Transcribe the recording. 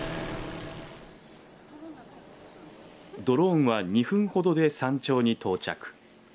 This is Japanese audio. ドローンは２分ほどで山頂に到着。